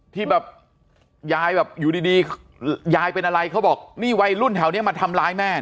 ที่แบบยายแบบอยู่ดียายเป็นอะไรเขาบอกนี่วัยรุ่นแถวนี้มาทำร้ายแม่